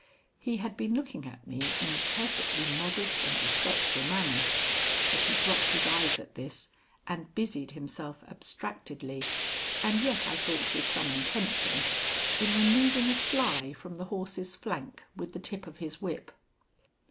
He had been looking at me in a perfectly modest and respectful manner, but he dropped his eyes at this and busied himself abstractedly, and yet I thought with some intention, in removing a fly from the horse's flank with the tip of his whip.